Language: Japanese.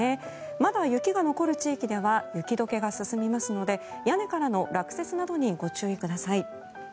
まだ雪が残る地域では雪解けが進みますので屋根からの落雪などにご注意ください。